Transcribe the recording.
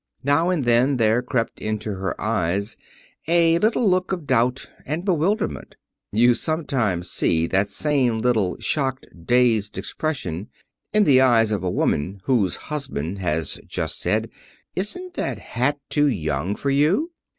Now and then there crept into her eyes a little look of doubt and bewilderment. You sometimes see that same little shocked, dazed expression in the eyes of a woman whose husband has just said, "Isn't that hat too young for you?"